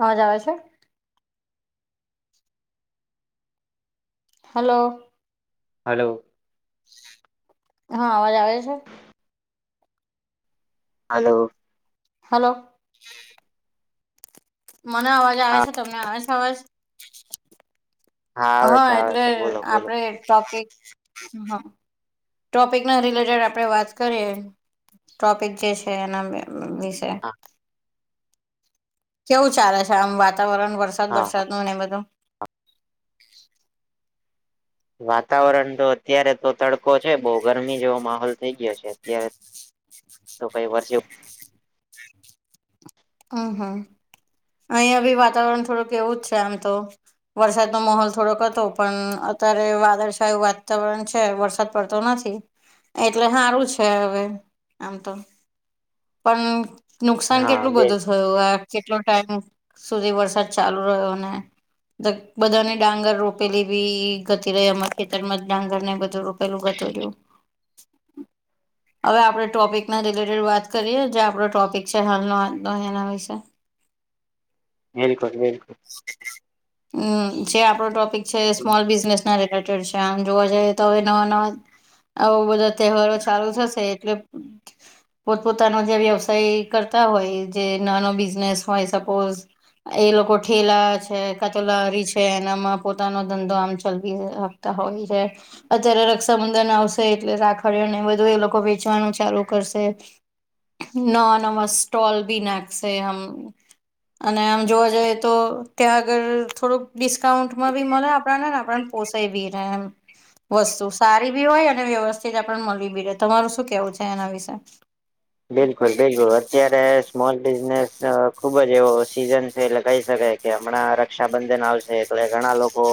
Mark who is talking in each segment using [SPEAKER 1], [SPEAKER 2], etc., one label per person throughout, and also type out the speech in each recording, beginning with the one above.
[SPEAKER 1] અવાજ આવે છે? હલો.
[SPEAKER 2] હલો.
[SPEAKER 1] હ અવાજ આવે છે?
[SPEAKER 2] હાલો
[SPEAKER 1] હલો મન અવાજ આવે
[SPEAKER 2] હા
[SPEAKER 1] છે, તમને આવે છે અવાજ?
[SPEAKER 2] હા
[SPEAKER 1] હ
[SPEAKER 2] આવે છે આવે
[SPEAKER 1] એટલે
[SPEAKER 2] છે બોલો બોલો
[SPEAKER 1] આપડે ટોપિક હ ટોપિકના રિલેટેડ આપડે વાત કરીએ ટોપિક જે છે એના વિશે
[SPEAKER 2] હા
[SPEAKER 1] કેવું ચાલે છે આમ વાતાવરણ વરસાદ
[SPEAKER 2] હા હા.
[SPEAKER 1] વરસાદનું ને એ બધું?
[SPEAKER 2] વાતાવરણ તો અત્યારેતો તડકો છે બોવ ગરમી જેવો માહોલ થઈ ગ્યો છે અત્યારે તો કઈ વર્ષ
[SPEAKER 1] અ હ ઐયાબી વાતાવરણ થોડુંક એવુજ છે આમ તો વરસાદનો માહોલ થોડોક હતો પણ અતારે વાદળછાયું વાતાવરણ છે વરસાદ પડતો નથી એટલે સારું છે હવે આમ તો પણ નુકસાન
[SPEAKER 2] હા
[SPEAKER 1] કેટલું
[SPEAKER 2] બે
[SPEAKER 1] બધું થયું. આ કેટલું ટાઈમ સુધી વરસાદ ચાલુ રહ્યો ને બધાને ડાંગર રોપેલી બી ગતી રઈ અમાર ખેતરમાં ડાંગર ને બધું ર રોપેલું ગતુ રયુ હવે આપણે ટોપિક ના રિલેટેડ વાત કરીએ જે આપડો ટોપિક છે હાલનો આજનો એના વિશે
[SPEAKER 2] બિલકુલ બિલકુલ
[SPEAKER 1] હમ જે આપણો ટોપિક છે સ્મોલ બિઝનેસ ન રિલે ટેડ છે આમ જોવા જઈએ તો હવે નવા નવા હવ બધા તહેવારો ચાલુ થશે એટલે પોત પોતાનો જે વ્યવસાય કરતા હોય જે નાનો બિઝનેસ હોય સપોઝ એ લોકો થેલા છે કાંતો લારી છે પોતાનો ધંધો આમ ચલવી રાખતા હોય છે અત્યારે રક્ષાબંધન આવશે એટલે રાખડીઓ ને બધું એ લોકો વેચવાનું ચાલુ કરશે નવા નવા સ્ટોલ બી નાખશે આમ અને આમ જોવા જઈ તો ત્યાં આગળ થોડુંક ડિસ્કાઉન્ટમાં બી મળે આપણાને આપણ ને પોસાય બી રહે એમ વસ્તુ સારી બી હોય અને વ્યવસ્થિત આપને મળી બી રહે તમારું શું કેવું છે એના વિશે [inaudible]
[SPEAKER 2] એ જ બાંધેલું હોય અત્યારે સ્મોલ બિઝનેસ ખુબ જ એવો સીઝન છે એ કહી શકાય કે હમણાં રક્ષા રક્ષાબંધન આવશે એટલે ઘણા લોકો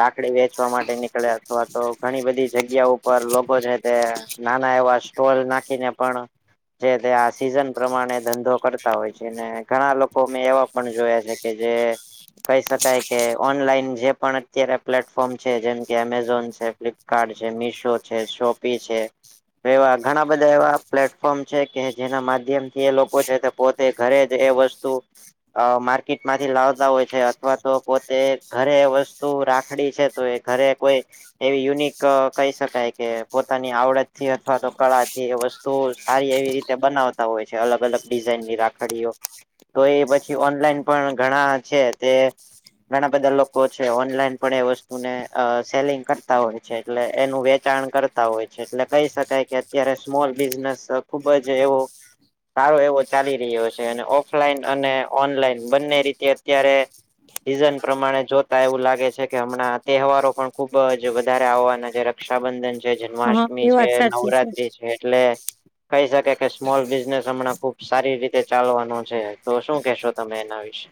[SPEAKER 2] રાખડી વેચવા માટે નીકળે અથવા તો ઘણી બધી જગ્યા ઉપર લોકો છે તે નાના એવા સ્ટોલ નાખીને પણ જે તે આ સિઝન પ્રમાણે ધંધો કરતા હોય છે ને ઘણા લોકો મેં એવા પણ જોયા છે કે જે કહી શકાય કે ઓનલાઈન જે પણ અત્યારે પ્લેટફોર્મ છે જેમકે એમેઝોન છે ફ્લિપ કાર્ડ છે મીશો છે શોપી છે એવા ઘણા બધા એવા પ્લેટફોર્મ છે કે જેના માધ્યમ થી એ લોકો છે પોતે ઘરે જ એ વસ્તુ અ માર્કેટ માંથી લાવતા હોય છે અથવા તો પોતે ઘરે વસ્તુ રાખડી છે તો એ ઘરે કોઈ એવી યુનિક કહી શકાય કે પોતાની આવડત થી અથવા તો કળા થી એ વસ્તુ તો સારી એવી રીતે બનાવતા હોય છે અલગ અલગ ડિઝાઇનની રાખડીઓ તો એ પછી ઓનલાઈન પણ ઘણા છે તે ઘણા બધા લોકો છે ઓનલાઈન પણ એ વસ્તુને અ સેલિંગ કરતા હોય એટલે એનું વેચાણ કરતા હોય છે એટલે કહી શકાય કે અત્યારે સ્મોલ બિઝનેસ ખુબ જ એવો સારો એવો ચાલી રહ્યો છે અને ઓફલાઈન અને ઓનલાઈન બંને રીતે અત્યારે સિઝન પ્રમાણે જોતા એવું લાગે છે કે હમણાં તહેવારો પણ ખુબ જ વધારે આવવાના રક્ષાબંધન છે
[SPEAKER 1] હા
[SPEAKER 2] જન્માષ્ટમી
[SPEAKER 1] એ
[SPEAKER 2] છે
[SPEAKER 1] વાત સાચી
[SPEAKER 2] નવરાત્રી છે એટલે કહી શકે કે સ્મોલ બિઝનેસ હમણાં ખુબ સારી રીતે ચાલવાનો છે તો શું કહેશો તમે એના વિશે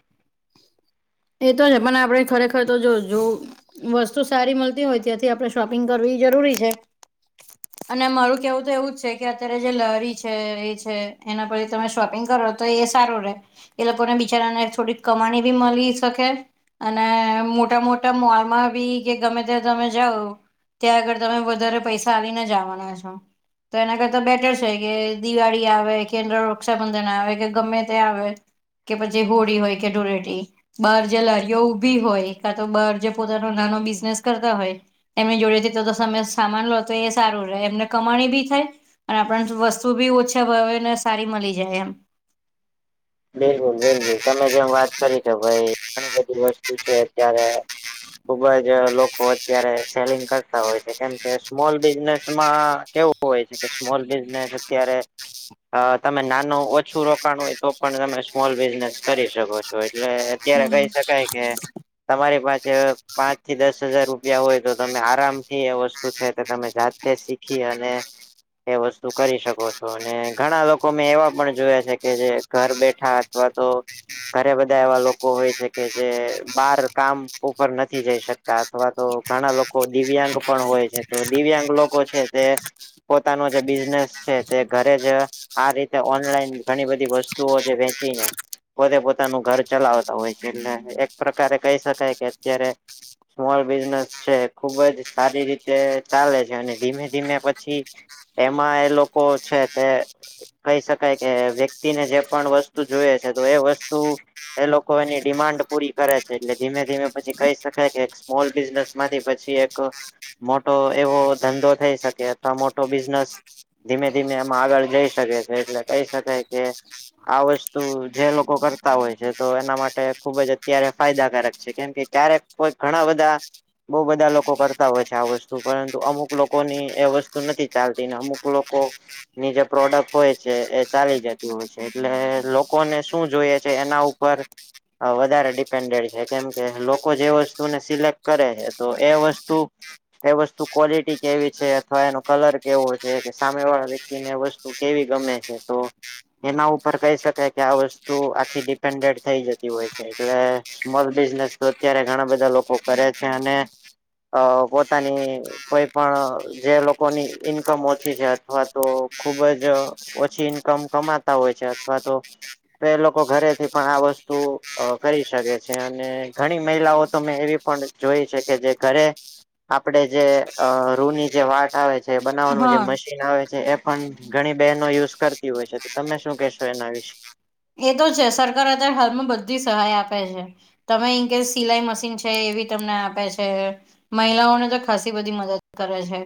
[SPEAKER 1] એ તો છે પણ આપણે ખરેખર તો જો જો વસ્તુ સારી મળતી હોય ત્યાંથી આપણે શોપિંગ કરવી જરૂરી છે. અને મારું જેવું તો એવું જ છે કે અત્યારે જે લારી છે એ છે એના પરથી તમે શોપિંગ કરો તો એ સારો રે એ લોકોને બિચારાને થોડીક કમાણી બી મલી શકે અને મોટા મોટા મોલમાં બી કે ગમે ત્યા તમે જાઓ ત્યાં આગળ તમે વધારે પૈસા આલીને જ આવાના છો. તો એના કરતા બેટર છે કે દિવાળી આવે કે રક્ષાબંધન આવે કે ગમે તે આવે પછી હોળી હોય કે ધુળેટી બાર જે લારીઓ ઊભી હોય કા તો બાર જે પોતાનો નાનો બિઝનેસ કરતા હોય એમની જોડે થી તો તો તમે સામાન લો તો એ સારું રહે એમને કમાણી બી થાય અને આપણને વસ્તુ બી ઓછા ભાવેને સારી મલી જાય એમ
[SPEAKER 2] બિલકુલ બિલકુલ તમે જેમ વાત કરી કે ભાઈ ઘણી બધી વસ્તુ છે અત્યારે ખુબ જ લોકો અત્યારે સેલિગ કરતા હોય છે કેમ કે સ્મોલ બિઝનેસમાં કેવું હોય છે કે સ્મોલ બિઝનેસ અત્યારે તમે નાનું ઓછું રોકાણ હોય તો પણ તમે સ્મોલ બિઝનેસ કરી શકો છો એટલે અત્યારે કહી
[SPEAKER 1] હમ
[SPEAKER 2] શકાય કે તમારી પાસે પાંચ થી દસ હજાર રૂપિયા હોય તો તમે આરામથી એ વસ્તુ છે તો તમે જા તે શીખી અને એ વસ્તુ કરી શકો છો અને ઘણા લોકો મેં એવા પણ જોયા છે કે જે ઘર બેઠા અથવા તો ઘરે બધા એવા લોકો હોય છે કે જે બાર કામ ઉપર નથી જઈ શકતા અથવા તો ઘણા લોકો દિવ્યાંગ પણ હોય છે તો દિવ્યાંગ લોકો છે તે પોતાનો જે બિઝનેસ છે તે ઘરે જ આ રીતે ઓનલાઈન ઘણી બધી વસ્તુ ઓ જે વેચીને પોતે પોતાનું ઘર ચલાવતા હોય છે એટલે એક પ્રકારે કહી શકાય કે અત્યારે સ્મોલ બિઝનેસ છે ખુબ જ સારી રીતે ચાલે છે અને ધીમે ધીમે પછી એમાં એ લોકો છે તે કહી શકાય કે વ્યક્તિને જે પણ વસ્તુ જોઈએ છે તો એ વસ્તુ એ લોકો એની ડિમાન્ડ પૂરી કરે છે એટલે ધીમે ધીમે પછી કહી શકે કે સ્મોલ બિઝનેસ માંથી પછી એક મોટો એવો ધંધો થઈ શકે અથવા મોટો બિઝનેસ ધીમે ધીમે એમાં આગળ જઈ શકે છે એટલે કહી શકાય કે આ વસ્તુ જે લોકો કરતા હોય છે તો એના માટે ખુબ જ અત્યારે ફાયદાકારક છે કેમ કે ક્યારેક કોઈ ઘણા બધા બો બધા લોકો કરતા હોય છે આ વસ્તુ પરંતુ અમુક લોકોની એ વસ્તુ નથી ચાલતી ને અમુક લોકો ની જે પ્રોડક્ટ હોય છે એ ચાલી જતી હોય છે. એટલે લોકોને શું જોયે છે એના ઉપર વધારે ડિપેન્ડેડ છે કેમ કે લોકો જે વસ્તુને સિલેક્ટ કરે છે તો એ વસ્તુ એ વસ્તુ ક્વોલિટી કેવી છે અથવા એનો કલર કેવો છે કે સામેવાળા વ્યક્તિ ને વસ્તુ કેવી ગમે છે તો એના ઉપર કહી શકાય કે આ વસ્તુ આખી ડિપેન્ડેડ થઈ જતી હોય છે એટલે સ્મોલ બિઝનેસ અત્યારે ઘણા બધા લોકો કરે છે અને અ પોતાની કોઈ પણ જે લોકોની ઈન્કમ ઓછી છે અથવા તો ખુબ જ ઓછી ઈન્કમ કમાતા હોય છે અથવા તો તો એ લોકો ઘરે થી પણ આ વસ્તુ કરી અ શકે છે અને ઘણી મહિલાઓ તો મેં એવી પણ જોય છે કે જે ઘરે આપણે જે અ રૂની જે વાત આવે છે બનાવવાનું જે
[SPEAKER 1] હા
[SPEAKER 2] મશીન આવે છે એ પણ ઘણી બહેનો યુઝ કરતી હોય છે તો તમે શું કહેશો એના વિશે
[SPEAKER 1] એ તો છે સરકાર અત્યારે હાલમાં બધી સહાય આપે છે. તમે ઈન કેસ સિલાઈ મશીન છે એ બી તમને આપે છે. મહિલાઓને તો ખાસી બધી મદદ કરે છે.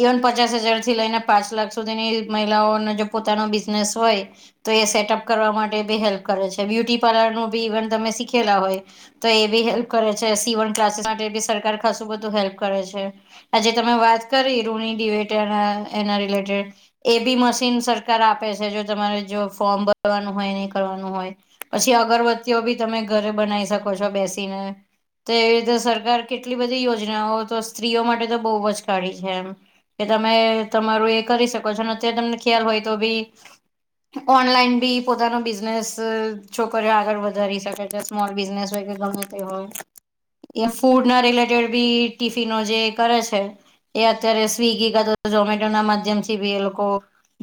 [SPEAKER 1] ઇવન પચાસ હજાર થી લઈને પાંચ લાખ સુધીની મહિલાઓને જો પોતાનો બિઝનેસ હોય તો એ સેટઅપ કરવા માટે બી હેલ્પ કરે છે બ્યુટી પાર્લરનું બી ઇવન તમે શીખેલા હોય તો એ બી હેલ્પ કરે છે સીવન ક્લાસીસ માટે બી સરકાર ખાસું બધું હેલ્પ કરે છે. આજે તમે વાત કરી રૂની ડિબટ એના એના રિલેટેડ એ બી મશીન સરકાર આપે છે જો તમારે જો ફોર્મ ભરવાનું હોય ને કરવાનું હોય પછી અગરબત્તીઓ બી તમે ઘરે બનાવી શકો છો બેસીને તો એવી તો સરકાર કેટલી બધી યોજનાઓ તો સ્ત્રીઓ માટે તો બહુ જ કાઢી છે એમ કે તમે તમારું એ કરી શકો છો અને અત્યારે તમને ખ્યાલ હોય તો ભી ઓનલાઈન બી પોતાનું બિઝ નેસ છોકરીઓ આગળ વધારી શકે છે સ્મોલ બિઝનેસ હોય કે ગમે તે હોય એ ફૂડ ના રિલેટેડ બી ટીફિનો જે કરે છે. એ અત્યારે સ્વિગી કાતો ઝોમેટો ના માધ્યમથી બી એ લોકો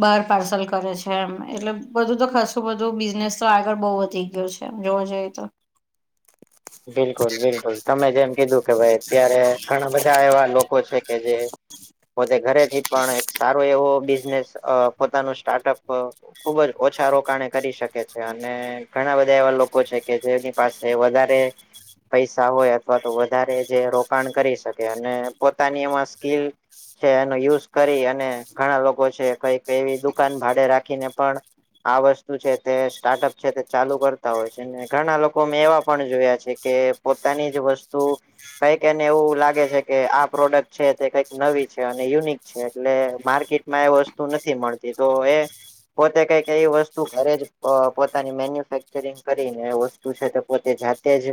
[SPEAKER 1] બાર પાર્સલ કરે છે એમ એટલે બધું તો ખાસું બધું બિઝનેસ તો આગળ બહુ વધી ગયો છે જોવા જઈએ તો
[SPEAKER 2] બિલકુલ બિલકુલ તમે જેમ કીધું કે ભાઈ અત્યારે ઘણા બધા એવા લોકો છે કે જે પોતે ઘરે થી પણ એક સારો એવો બિઝનેસ અ પોતાનું સ્ટાર્ટઅપ અ ખુબ જ ઓછા રોકાણે કરી શકે છે અને ઘણા બધા એવા લોકો છે કે જેની પાસે વધારે પૈસા હોય અથવા તો વધારે જે રોકાણ કરી શકે અને પોતાની એમાં સ્કીલ છે એનો યુઝ કરી અને ઘણા લોકો છે કઈક એવી દુકાન ભાડે રાખીને પણ આ વસ્તુ છે તે સ્ટાર્ટઅપ છે તે ચાલુ કરતા હોય છે ને ઘણા લોકો મે એવા પણ જોયા છે. કે પોતાની જ વસ્તુ કઈક એને એવું લાગે છે કે આ પ્રોડક્ટ છે તે કંઈક નવી છે અને યુનિક એટલે માર્કેટમાં એ વસ્તુ નથી મળતી તો એ પોતે કે એ વસ્તુ ઘરે જ પોતાની મેન્યુફેક્ચરિંગ કરીને એ વસ્તુ છે પોતે જાતે તેજ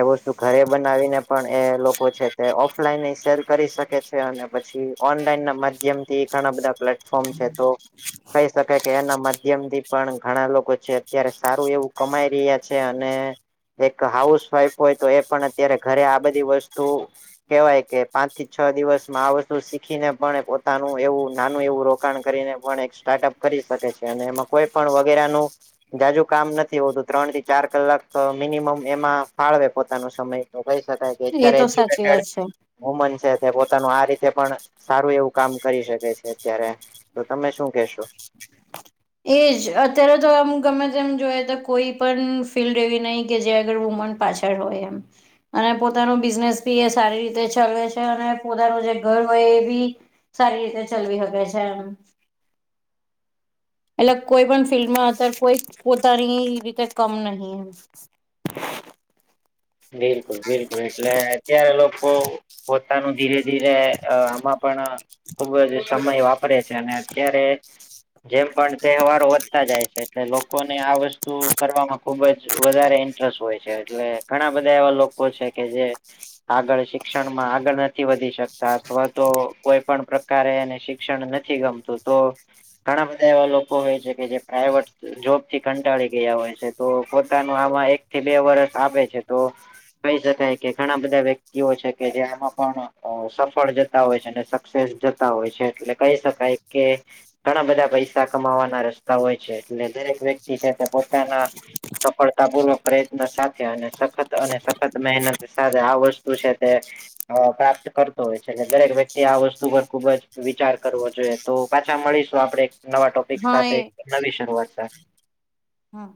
[SPEAKER 2] એ વસ્તુ ઘરે બનાવીને પણ એ લોકો છે તે ઓફલાઈન સેલ કરી શકે છે અને પછી ઓનલાઈન ના માધ્યમ થી ઘણા બધા પ્લેટફોર્મ છે તો કહી શકાય કે એના માધ્યમથી પણ ઘણા લોકો છે અત્યારે સારું એવું કમાઈ રહ્યા છે અને એક હાઉસ વાઈફ હોય તો એ પણ અત્યારે ઘરે આ બધી વસ્તુ કેવાય કે પાંચ થી છ દિવસમાં આ વસ્તુ શીખીને પણ પોતાનું એવું નાનું એવું રો રોકાણ કરીને પણ એક સ્ટાર્ટઅપ કરી શકે છે અને એમાં કોઈ પણ વગેરેનું જાજુ કામ નથી હોતું ત્રણ થી ચાર કલાક તો મિનિમમ એમાં ફાળવે પોતાનો સમય તો કહી શકાય કે
[SPEAKER 1] એ
[SPEAKER 2] અત્યારે
[SPEAKER 1] તો સાચી
[SPEAKER 2] એજ્યુકેટેડ
[SPEAKER 1] વાત છે
[SPEAKER 2] વોમન છે તે પોતાનું આ રીતે પણ સારું એવું કામ કરી શકે છે અત્યારે તો તમે શું કેશો
[SPEAKER 1] એજ અત્યારે તો આમ ગમે તેમ જોઈ તો કોઈ પણ ફિલ્ડ એવી નહીં કે જ્યાં આગળ વુમન પાછળ હોય એમ અને પોતાનું બિઝનેસ બી એ સારી રીતે ચલાવે છે અને પોતાનું જે ઘર હોય એ બી સારી રીતે ચલવી હકે છે એમ એટલે કોઈ પણ ફિલ્ડમાં અત્યારે કોઈ પોતાની રીતે કમ નહી એમ
[SPEAKER 2] બિલકુલ બિલકુલ એટલે અત્યારે લોકો પોતાનું ધીરે ધીરે અ આમાં પણ ખુબ જ સમય વાપરે છે અને અત્યારે જેમ પણ તહેવારો વધતા જાય છે એટલે લોકોને આ વસ્તુ કરવાવામાં ખુબ જ વધારે ઇન્સ્ટ્રસ્ટ હોય છે એટલે ઘણા બધા એવા લોકો છે કે જે આગળ શિક્ષણમાં આગળ નથી વધી શકતા અથવા તો કોઈપણ પ્ર- કારે ને શિક્ષણ નથી ગમતું તો ઘણા બધા એવા લોકો હોય છે કે જે પ્રાઈવેટ જોબ થી કંટાળી ગયા હોય છે તો પોતાનું આમાં એક થી બે વરષ આપે છે તો કહી શકાય કે ઘણા બધા વ્યક્તિઓ છે કે જે આમાં પણ અ સફળ જતા હોય છે અને સ સક્સેસ જતા હોય છે એટલે કહી શકાય કે ઘણા બધા પૈસા કમાવાના રસ્તા હોય છે એટલે દરેક વ્યક્તિ છે તે પોતાના સફળતા પૂર્વક પ્રયત્ન સાથે અને સ ખત અને સખત મહેનત સાથે આ વસ્તુ છે તે અ પ્રાપ્ત કરતો હોય છે એટલે દરેક વ્યક્તિ આ વસ્તુ પર ખુબ જ વિચાર કરવો જોઈએ. તો પાછા મળીશું આપડે નવા ટોપિક
[SPEAKER 1] હા એ
[SPEAKER 2] સાથે નવી શરૂઆત સાથે
[SPEAKER 1] હા